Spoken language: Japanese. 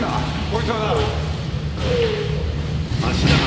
こいつはな。